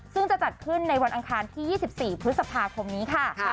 ซึ่งจะจัดขึ้นในวันอังคารที่๒๔พฤษภาคมนี้ค่ะ